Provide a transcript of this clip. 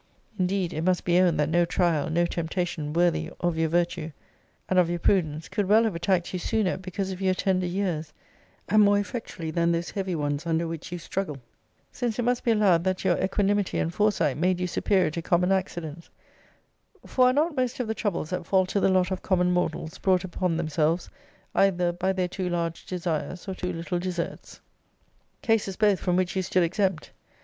Indeed, it must be owned that no trial, no temptation, worthy of your virtue, and of your prudence, could well have attacked you sooner, because of your tender years, and more effectually, than those heavy ones under which you struggle; since it must be allowed, that you equanimity and foresight made you superior to common accidents; for are not most of the troubles that fall to the lot of common mortals brought upon themselves either by their too large desires, or too little deserts? Cases, both, from which you stood exempt.